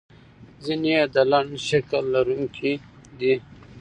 ځینې یې د لنډ شکل لرونکي دي.